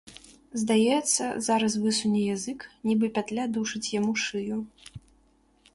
Здаецца, зараз высуне язык, нібы пятля душыць яму шыю.